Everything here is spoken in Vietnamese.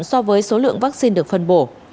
so với số lượng vaccine được phân bổ